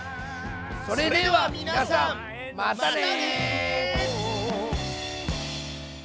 それでは皆さんまたね。